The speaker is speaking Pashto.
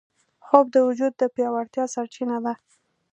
خوب د وجود د پیاوړتیا سرچینه ده